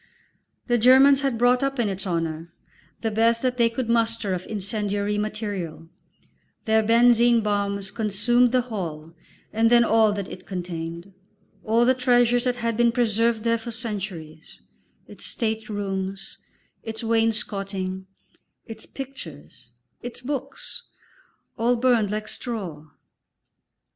The Germans had brought up in its honour the best that they could muster of incendiary material; their benzine bombs consumed the Hall and then all that it contained; all the treasures that had been preserved there for centuries, its state rooms, its wainscoting, its pictures, its books, all burned like straw.